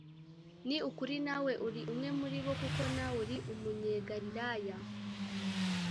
ni ukuri nawe uri umwe muri bo: kuko uri umunyegalilaya,